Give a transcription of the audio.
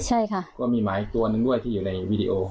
ใช่ค่ะก็มีหมาอีกตัวหนึ่งด้วยที่อยู่ในวีดีโอ